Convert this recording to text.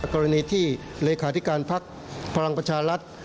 กรณีที่เลขาธิการภักดิ์พลังประชารัฐ